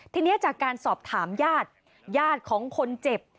ทีนี้จากการสอบถามญาติญาติของคนเจ็บ